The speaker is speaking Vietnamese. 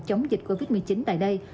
chống dịch covid một mươi chín tại đây